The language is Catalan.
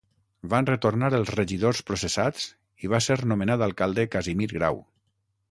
Van retornar els regidors processats i va ser nomenat alcalde Casimir Grau.